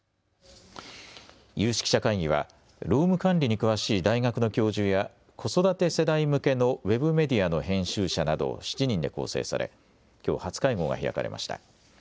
有識者会議は労務管理に詳しい大学の教授や子育て世代向けのＷＥＢメディアの編集者など７人で構成されきょう初会合が開かれました。